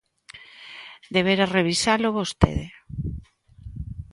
Debera revisalo vostede.